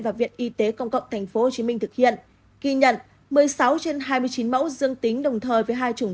và viện y tế công cộng tp hcm thực hiện ghi nhận một mươi sáu trên hai mươi chín mẫu dương tính đồng thời với hai chủng